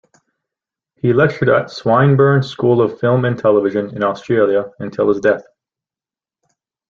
He lectured at Swinburne School of Film and Television in Australia until his death.